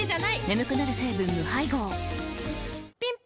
眠くなる成分無配合ぴん